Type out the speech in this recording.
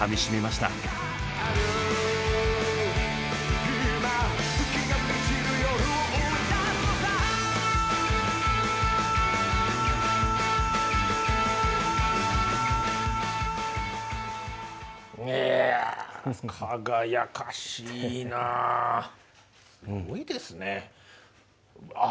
すごいですね。